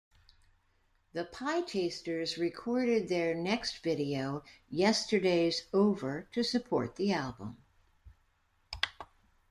The Pietasters recorded their next video, Yesterday's Over, to support the album.